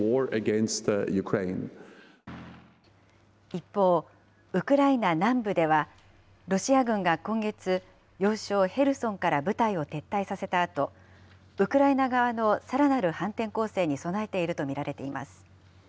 一方、ウクライナ南部では、ロシア軍が今月、要衝ヘルソンから部隊を撤退させたあと、ウクライナ側のさらなる反転攻勢に備えていると見られています。